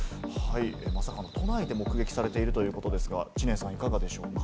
まさかの都内で目撃されているということですが、知念さんいかがでしょうか？